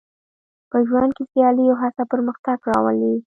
په ژوند کې سیالي او هڅه پرمختګ راولي.